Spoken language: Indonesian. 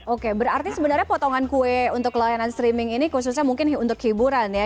oke berarti sebenarnya potongan kue untuk layanan streaming ini khususnya mungkin untuk hiburan ya